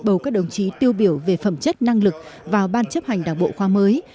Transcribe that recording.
bầu các đồng chí tiêu biểu về phẩm chất năng lực vào ban chấp hành đảng bộ khoa mới